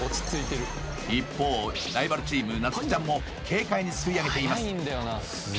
一方ライバルチーム夏生ちゃんも軽快にすくいあげています